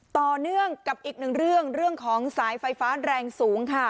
ต่อเนื่องกับอีกหนึ่งเรื่องของสายไฟฟ้าแรงสูงค่ะ